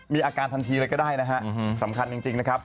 มีอาการทันทีเลยก็ได้นะฮะสำคัญจริงนะครับ